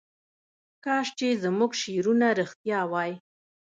کاش چې زموږ شعرونه رښتیا وای.